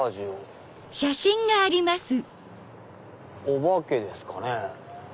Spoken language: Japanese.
お化けですかね。